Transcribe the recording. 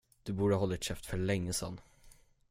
Du borde ha hållit käft för länge sen.